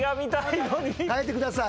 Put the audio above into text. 変えてください。